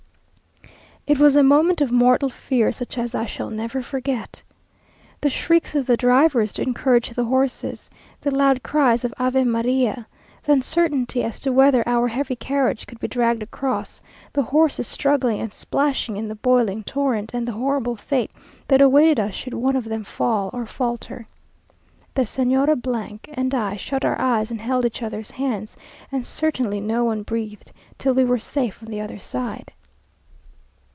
It was a moment of mortal fear such as I shall never forget. The shrieks of the drivers to encourage the horses, the loud cries of Ave María! the uncertainty as to whether our heavy carriage could be dragged across, the horses struggling and splashing in the boiling torrent, and the horrible fate that awaited us should one of them fall or falter!... The Señora and I shut our eyes and held each other's hands, and certainly no one breathed till we were safe on the other side.